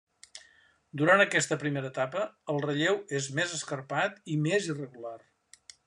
Durant aquesta primera etapa, el relleu és més escarpat i més irregular.